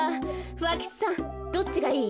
ふわ吉さんどっちがいい？